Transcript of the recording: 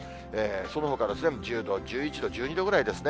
そのほかは１０度、１１度、１２度ぐらいですね。